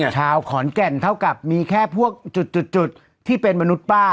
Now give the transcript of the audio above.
ชาวขอนแก่นเท่ากับมีแค่พวกจุดที่เป็นมนุษย์ป้า